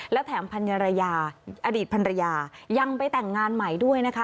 และแถมพันรยาอดีตภรรยายังไปแต่งงานใหม่ด้วยนะคะ